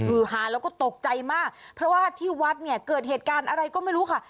ฮาแล้วก็ตกใจมากเพราะว่าที่วัดเนี่ยเกิดเหตุการณ์อะไรก็ไม่รู้ค่ะ